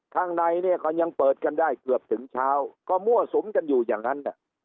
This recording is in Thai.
ข้างในเนี่ยก็ยังเปิดกันได้เกือบถึงเช้าก็มั่วสุมกันอยู่อย่างนั้น